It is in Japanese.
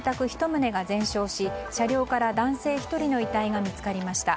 １棟が全焼し車両から男性１人の遺体が見つかりました。